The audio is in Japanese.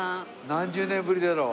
何十年ぶりだろう？